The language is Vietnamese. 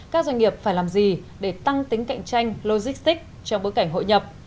các doanh nghiệp phải làm gì để tăng tính cạnh tranh logistics trong bối cảnh hội nhập